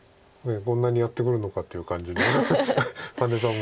こんなにやってくるのかっていう感じで羽根さんも。